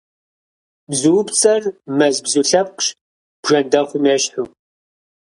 Бзуупцӏэр мэз бзу лъэпкъщ, бжэндэхъум ещхьу.